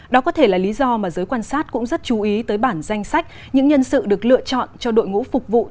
đó có thể là lý do mà giới quan sát cũng rất chú ý tới bản danh sách những nhân sự được lựa chọn cho đội ngũ phục vụ